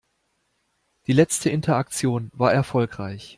Die letzte Interaktion war erfolgreich.